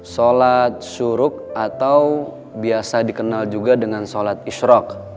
solat suruk atau biasa dikenal juga dengan solat isyrak